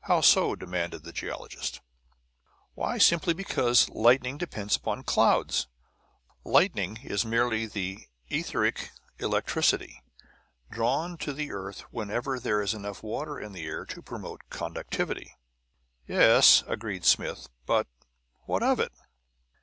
"How so?" demanded the geologist. "Why, simply because lightning depends upon clouds. Lightning is merely the etheric electricity, drawn to the earth whenever there is enough water in the air to promote conductivity." "Yes," agreed Smith; "but what of it?"